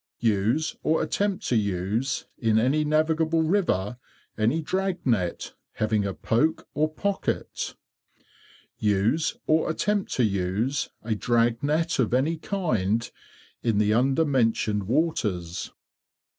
Use or attempt to use, in any navigable river, any Drag Net having a poke or pocket. 6. Use or attempt to use a drag net of any kind in the under mentioned waters:— 1.